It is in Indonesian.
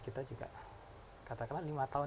kita juga katakanlah lima tahun